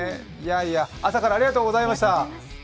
朝からありがとうございました。